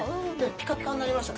ピカピカになりましたね。